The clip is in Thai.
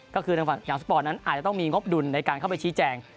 ก็คือทางฝั่งอย่างสปอร์ตนั้นอาจจะต้องมีงบดุลในการเข้าไปชี้แจง